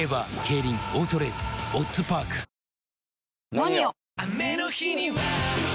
「ＮＯＮＩＯ」！